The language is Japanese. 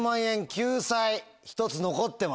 救済１つ残ってます。